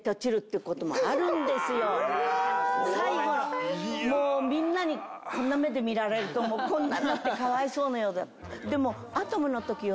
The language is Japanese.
最後もうみんなにこんな目で見られるともうこんなになって可哀想な。